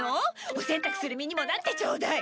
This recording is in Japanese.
お洗濯する身にもなってちょうだい！